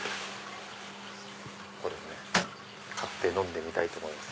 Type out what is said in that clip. これを買って飲んでみたいと思います。